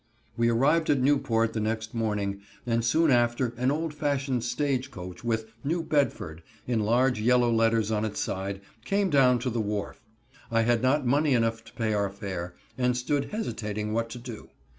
We arrived at Newport the next morning, and soon after an old fashioned stage coach, with "New Bedford" in large yellow letters on its sides, came down to the wharf. I had not money enough to pay our fare, and stood hesitating what to do.